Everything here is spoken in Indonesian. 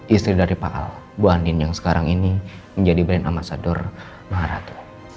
istri dari pak al bu andin yang sekarang ini menjadi brand amasador maharato